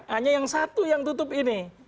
hanya yang satu yang tutup ini